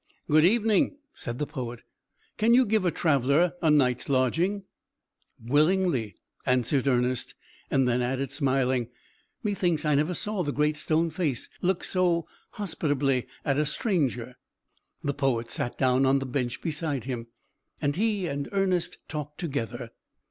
"Good evening," said the poet. "Can you give a traveller a night's lodging?" "Willingly," answered Ernest; and then he added, smiling, "Methinks I never saw the Great Stone Face look so hospitably at a stranger." The poet sat down on the bench beside him, and he and Ernest talked together.